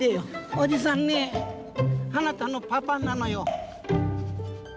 おじさんねえあなたのパパなのよ。